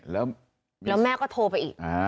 แล้วแม่ก็โทรไปอีก